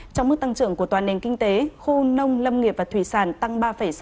trong mức tăng trưởng của toàn nền kinh tế khu nông lâm nghiệp và thủy sản tăng ba sáu